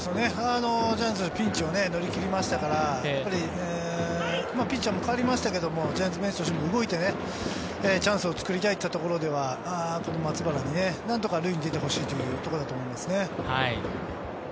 ジャイアンツはピンチを乗り切りましたから、ピッチャーも代わりましたけれど、ジャイアンツベンチとしても動いてチャンスを作りたいというところでは松原に何とか塁に出てほしいというところだと思います。